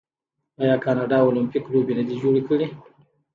آیا کاناډا المپیک لوبې نه دي جوړې کړي؟